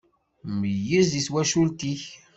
Meyyez i twacult-ik!